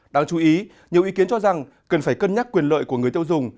đáng chú ý nhiều ý kiến cho rằng cần phải cân nhắc quyền lợi của người tiêu dùng